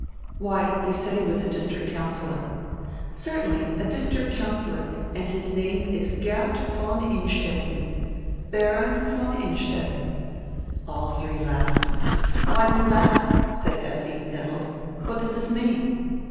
"Why, you said he was a district councillor." "Certainly, a district councillor, and his name is Geert von Innstetten, Baron von Innstetten." All diree laughed. "Why do you laugh?" said Efti, nettied. "What does diis mean?"